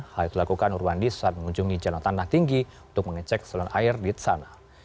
hal itu dilakukan nurwandi saat mengunjungi jalan tanah tinggi untuk mengecek seluruh air di sana